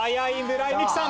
村井美樹さん。